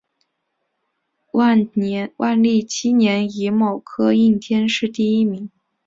万历七年己卯科应天乡试第一名。